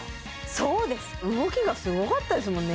そうです動きがすごかったですもんね